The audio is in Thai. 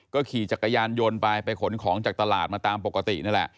ขี่จักรยานยนต์ไปไปขนของจากตลาดมาตามปกตินั่นแหละ